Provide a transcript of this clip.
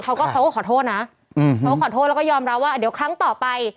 เขาก็เขาก็ขอโทษนะเขาก็ขอโทษแล้วก็ยอมรับว่าเดี๋ยวครั้งต่อไป